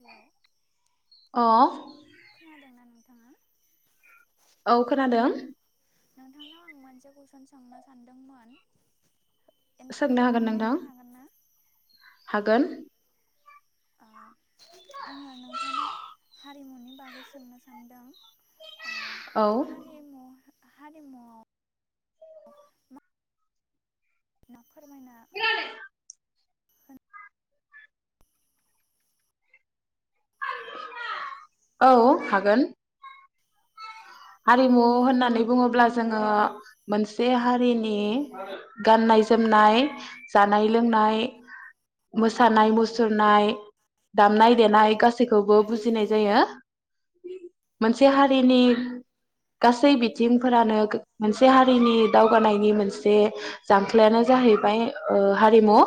हेल' अ खोनादोंना नामा? नोंथां औ खोनादों नोंथांनाव आं मोनसे कुइसन सों सोंनो सान्दोंमोन एन्सार सोंनो हागोन फिननाय नोंथां होनो हागोन ना हागोन [inaudible] आङो नोंथांनाव हारिमुनि बागै सोंनो सान्दों औ हारिमुआव मा [inaudible] [unintelligible] औ हागोन हारिमु होननानै बुङोब्ला जोङो मोनसे हारिनि गाननाय जोमनाय जानाय लोंनाय मोसानाय मुसुरनाय दामनाय देनाय गासैखौबो बुजिनाय जायो मोनसे हारिनि गासै बिथिंफोरानो मोनसे हारिनि दावगानायनि मोनसे जांख्लायानो जाहैबाय हारिमु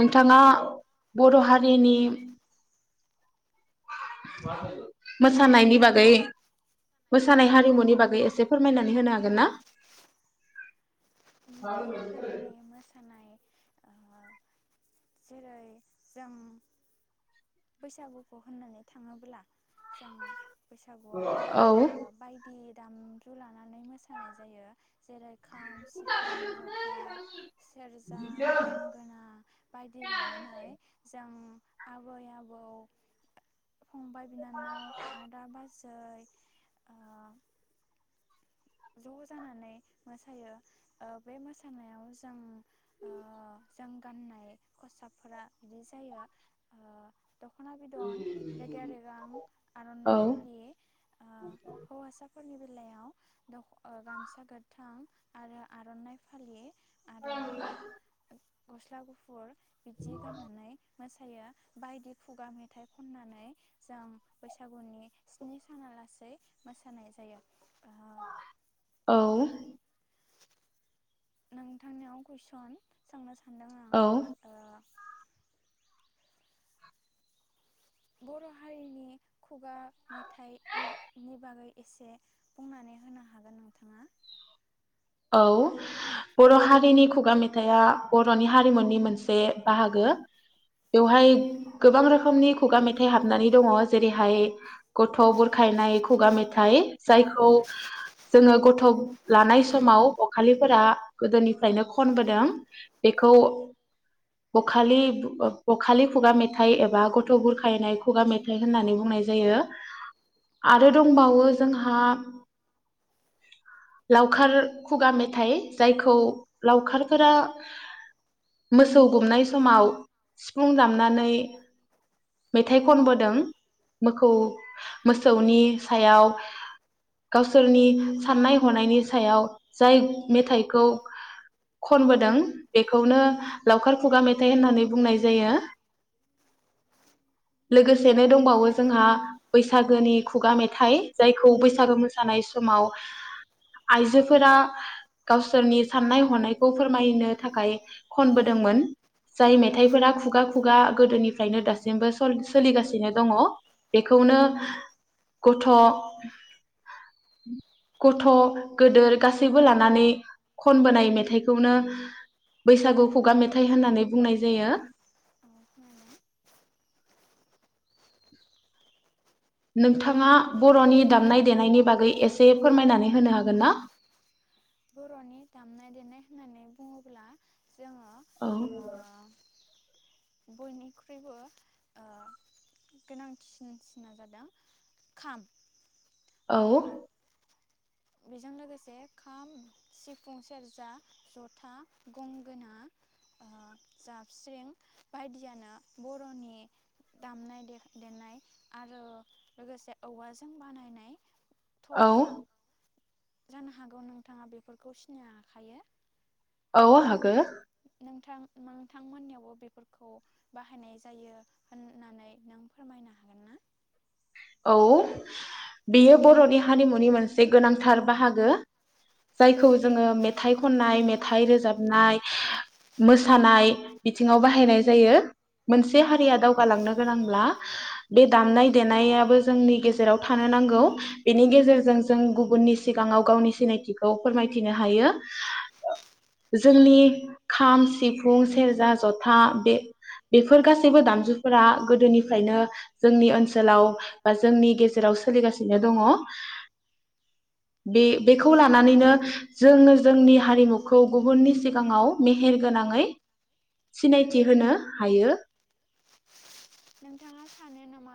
नोंथाङा बर' हारिनि मोसानायनि बागै मोसानाय हारिमुनि बागै एसे फोरमायनानै होनो हागोन ना बर' हारिनि मोसानाय जेरै जों बैसागुखौ होननानै थाङोब्ला जों बैसागुआव औ बायदि दामजु लानानै मोसानाय जायो जेरै खाम सिफुं जथा सेरजा गंगोना बायदि लानानै जों आबै-आबौ फंबाय बिनानाव आदा बाजै ओ ज' जानानै मोसायो ओ बे मोसानायाव जों ओ जों गाननाय खसाबफोरा बिदि जायो दख'ना बिदन रेगे रेगां औ आर'नाइ फालि ओ हौवासा फोरनि बेलायाव ओ गामसा गोथां आरो आर'नाइ फालि आरो गस्ला गुफुर बिदि गाननानै मोसायो बायदि खुगा मेथाइ खननानै जों बैसागुनि स्नि साना लासै मोसानाय जायो ओ औ नोंथांनियाव कुइसन सोंनो सानदों आं औ [inaudible] बर' हारिनि खुगा मेथाइनि बागै एसे बुंनानै होनो हागोन नोंथाङा औ बर' हारिनि खुगा मेथाइआ बर'नि हारिमुनि मोनसे बाहागो बेवहाय गोबां रोखोमनि खुगा मेथाइ हाबनानै दङ जेरैहाय गथ' बुरखायनाय खुगा मेथाइ जायखौ जोङो गथ' लानाय समाव बखालिफोरा गोदोनिफ्रायनो खनबोदों बेखौ बखालि बखालि खुगा मेथाइ एबा गथ' बुरखायनाय खुगा मेथाइ होननानै बुंनाय जायो आरो दंबावो जोंहा लावखार खुगा मेथाइ जायखौ लावखारफोरा मोसौ गुमनाय समाव सिफुं दामनानै मेथाइ खनबोदों मोखौ मोसौनि सायाव गावसोरनि साननाय हनायनि सायाव जाय मेथाइखौ खनबोदों बेखौनो लावखार खुगा मेथाइ होननानै बुंनाय जायो लोगोसेनो दंबावो जोंहा बैसागोनि खुगा मेथाइ जायखौ बैसागो मोसानाय समाव आइजो फोरा गावसोरनि साननाय हनायखौ फोरमायनो थाखाय खनबोदोंमोन जाय मेथाइफोरा खुगा खुगा गोदोनिफ्रायनो दासिमबो स-सोलिगासिनो दङ औ बेखौनो खोनादों औ गथ' गथ' गोदोर गासैबो लानानै खनबोनाय मेथाइखौनो बैसागु खुगा मेथाइ होननानै बुंनाय जायो खोनादों नोंथाङा बर'नि दामनाय देनायनि बागै एसे फोरमायनानै होनो हागोन ना बर'नि दामनाय देनाय होननानै बुङोब्ला जोङो औ ओ बयनिख्रुइबो ओ गोनांथिसिना जादों खाम औ आरो बेजों लोगोसे खाम सिफुं सेरजा जथा गंगोना ओ जाबस्रिं बायदियानो बर'नि दामनाय दे-देनाय आरो लोगोसे औवाजों बानायनाय औ थरखा जानो हागौ नोंथाङा बेफोरखौ सिनायहाखायो औ हागो नोंथां नोंथांमोननियावबो बेफोरखौ बाहायनाय जायो होननानै नों फोरमायनो हागोन ना औ बेयो बर'नि हारिमुनि मोनसे गोनांथार बाहागो जायखौ जोङो मेथाइ खननाय मेथाइ रोजाबनाय मोसानाय बिथिङाव बाहायनाय जायो मोनसे हारिया दावगालांनो गोनांब्ला बे दामनाय देनाया बो जोंनि गेजेराव थानो नांगौ बेनि गेजेरजों जों गुबुननि सिगाङाव गावनि सिनायथिखौ फोरमायथिनो हायो जोंनि खाम सिफुं सेरजा जथा बे बेफोर गासैबो दामजुफोरा गोदोनिफ्रायनो जोंनि ओनसोलाव बा जोंनि गेजेराव सोलिगासिनो दङ बे बेखौ लानानैनो जोङो जोंनि हारिमुखौ गुबुननि सिगाङाव मेहेर गोनाङै सिनायथि होनो हायो नोंथाङा सानो नामा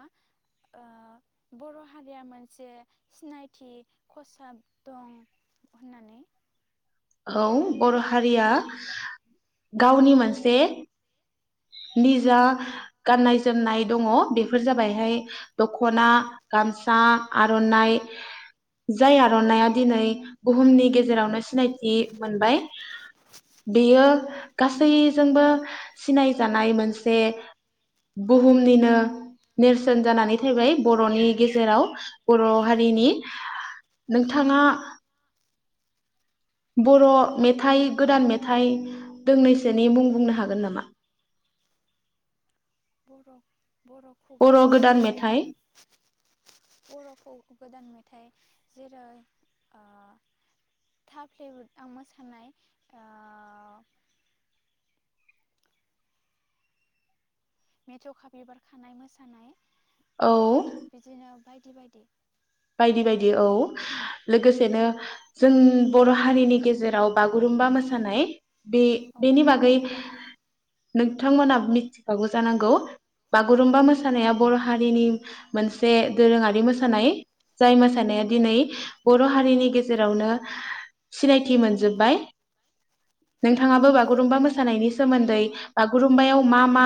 ओ बर' हारिया मोनसे सिनायथि खसाब दं होननानै औ बर' हारिया गावनि मोनसे निजा गाननाय जोमनाय दङ बेफोर जाबायहाय दखना गामसा आर'नाइ जाय आर'नाया दिनै बुहुमनि गेजेरावनो सिनायथि मोनबाय बेयो गासैजोंबो सिनायजानाय मोनसे बुहुमनिनो नेरसोन जानानै थैबाय बर'नि गेजेराव बर' हारिनि नोंथाङा बर' मेथाइ गोदान मेथाइ दोंनैसोनि मुं बुंनो हागोन नामा बर' बर' खुगा बर' गोदान मेथाइ बर'खौ गोदान मेथाइ जेरै ओ थाफ्ले बुदां मोसानाय ओ मेथ'खा बिबार खानायनि सोमोन्दै औ ओ बिदिनो ओमफाय बायदि बायदि बायदि बायदि औ लोगोसेनो जों बर' हारिनि गेजेराव बागुरुम्बा मोसानाय बे औ बेनि बागै बबा नोंथांमोना मिथिखागौ जानांगौ बागुरुम्बा मोसानाया बर' हारिनि मोनसे दोरोङारि मोसानाय। जाय मोसानाया दिनै बर' हारिनि गेजेरावनो सिनायथि मोनजोब्बाय नोंथाङाबो बागुरुमबा मोसानायनि सोमोन्दै बागुरुम्बायाव मा मा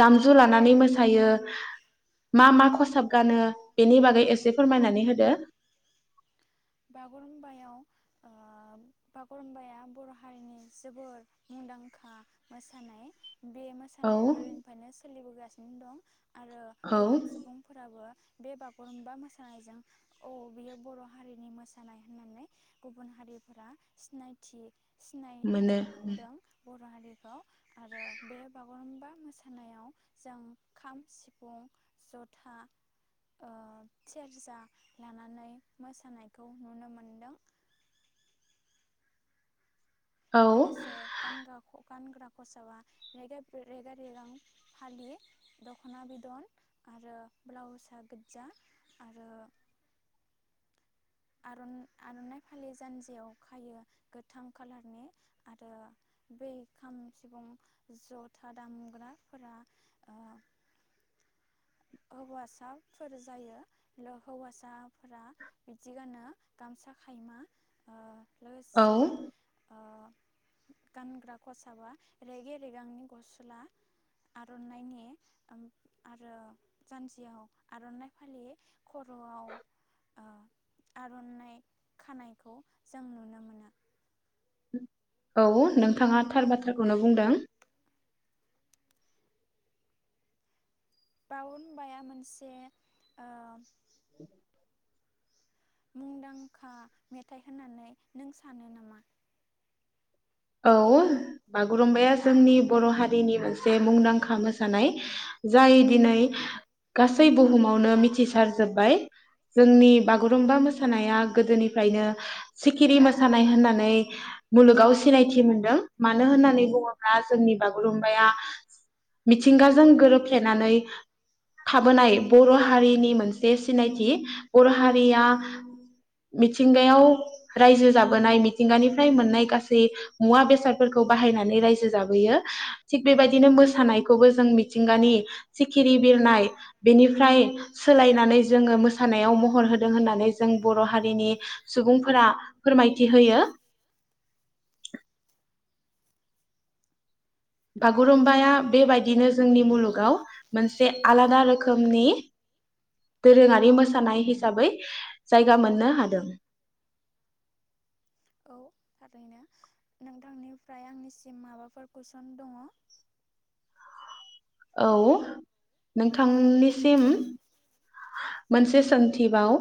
दामजु लानानै मोसायो मा मा खसाब गानो बेनि बागै एसे एसे फोरमायनानै होदो बागुरुम्बायाव ओ बागुरुम्बाया बर' हारिनि जोबोर मुंदांखा मोसानाय बे औ मोसानायाबो गोदोनिफ्रायनो सोलिबोगासिनो दं आरो औ गुबुन सुबुंफोराबो बे बागुरुमबा मोसानायजों औ बियो बर' हारिनि मो मोसानाय होननानै गुबुन हारिफोरा सिनायथि सिनायनो मोनो मोनदों बर' बर' हारिखौ आरो बे बागुरुम्बा मोसानायाव जों खाम, सिफुं, जथा ओ सेरजा लानानै मोसानाय नुनो मोनदों। औ लोगोसे गानग्रा गानग्रा खसाबा रेगे रेगां फालि दखना बिदन आरो ब्लाउसआ गोज्जा आरो आरो आर'ननाय फालि जानजियाव खायो गोथां कालारनि आरो बै खाम सिफुं जथा दामग्राफोरा ओ हौवासाफोर जायो हौवासाफोरा बिदि गानो गामसा खायमा। औ लोगोसे ओ गानग्रा खसाबा रेगे रेगांनि गस्ला आरनायनि आरो जानजियाव आर'ननाय फालि खर'आव आर'ननाय खानायखौ जों नुनो मोनो औ नोंथाङा थार बाथ्राखौनो बुंदों बागुरुमबाया मोनसे ओ [inaudible] मुंदांखा मेथाइ होननानै नों सानो नामा? औ बागुरुम्बाया जोंनि बर' हारिनि मोनसे मुंदांखा मोसानाय जाय दिनै गासै बुहुमावनो मिथिसारजोब्बाय जोंनि बागुरुम्बा मोसानाया गोदोनिफ्रायनो सिखिरि मोसानाय होननानै मुलुगाव सिनायथि मोनदों मानो होननानै बुङोब्ला जोंनि बागुरुमबाया मिथिंगाजों गोरोबफ्लेनानै थाबोनाय बर' हारिनि मोनसे सिनायथि बर' हारिया मिथिंगायाव रायजो जाबोनाय मिथिंगानिफ्राय मोननाय गासै मुवा बेसादफोरखौ बाहायनानै रायजो जाबोयो थिग बेबायदिनो मोसानायखौबो जों मिथिंगानि सिखिरि बिरनाय बेनिफ्राय सोलायनानै जोङो मोसानायाव महर होदों होननानै जों बर' हारिनि सुबुंफोरा फोरमायथि होयो। बागुरुम्बाया नोंथांनिफ्राय बेबायदिनो जोंनि मुलुगाव मोनसे आलादा रोखोमनि दोरोङारि मोसानाय हिसाबै जायगा मोननो हादों औ थारैनो नोंथांनिफ्राय आंनिसिम माबाफोर कुइसन दङ? औ नोंथांनिसिम मोनसे सोंथिबाव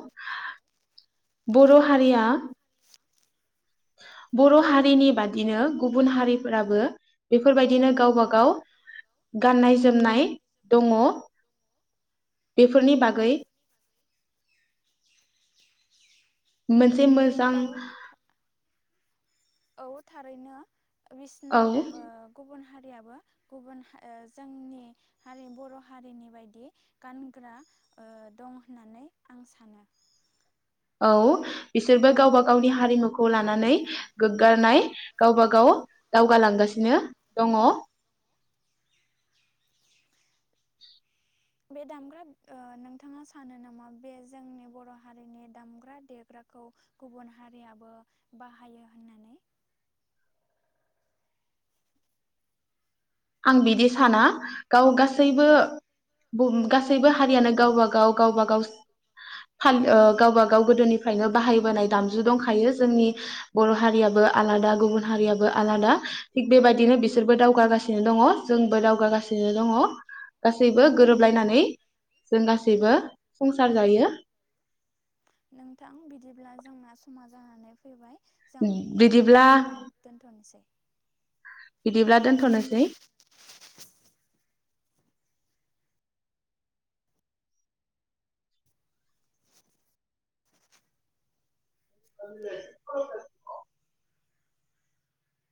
बर' हारिया बर' हारिनि बादिनो गुबुन हारिफोराबो बेफोरबायदिनो गावबा गाव गाननाय जोमनाय दङ बेफोरनि बागै मोन से मोजां औ औ थारैनो। बिसिना औ ओ गुबुन हारियाबो गुबुन ओ जोंनि हारि बर' हारिनि बायदि गानग्रा ओ दं होननानै आं सानो। औ इसोरबो गावबा गावनि हारिमुखौ लानानै गोग्गानाय गावबा गाव दावगालांगासिनो दङ। बे दामग्रा ओ नोंथाङा सानो नामा बे जोंनि बर' हारिनि दामग्रा देग्राखौ गुबुन हारियाबो बाहायो होननानै? आं बिदि साना गाव गासैबो बुम गासैबो हारियानो गावबा गाव गावबा गाव ओ फा गावबा गाव गोदोनिफ्रायनो बाहायबोनाय दामजु दंखायो जोंनि बर' हारियाबो आलादा गुबुन हारियाबो आलादा थिग बेबायदिनो बिसोरबो दावगागासिनो नो दङ जोंबो दावगागासिनो दङ गासैबो गोरोबलायनानै जों गासैबो संसार जायो। नोंथां बिदिब्ला जोंना समा जानानै फैबाय। जों कलखौ बिदिब्ला दान दोनथ'नोसै बिदिब्ला दोनथनोसै। [unintelligible]